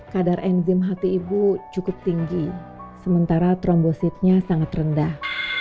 kadar enzim hati ibu cukup tinggi sementara trombositnya sangat rendah